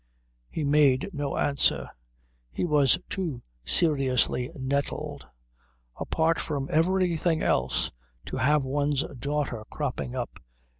He made no answer. He was too seriously nettled. Apart from everything else, to have one's daughter cropping up....